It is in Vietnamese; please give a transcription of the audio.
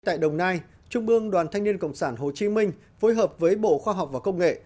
tại đồng nai trung ương đoàn thanh niên cộng sản hồ chí minh phối hợp với bộ khoa học và công nghệ